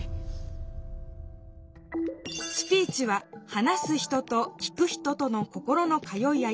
スピーチは「話す人」と「聞く人」との心の通い合い。